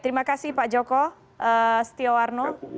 terima kasih pak joko setiowarno